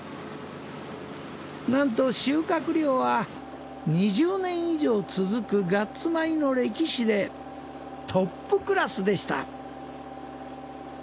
なんと収穫量は２０年以上続くガッツ米の歴史でトップクラスでした。